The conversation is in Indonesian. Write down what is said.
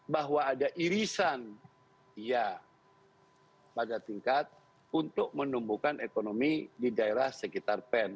bahwa ada irisan ya pada tingkat untuk menumbuhkan ekonomi di daerah sekitar pen